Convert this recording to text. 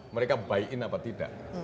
mereka buy in apa tidak